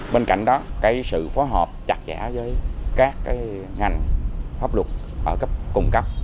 bên cạnh đó sự phối hợp chặt chẽ với các ngành pháp luật ở cấp cung cấp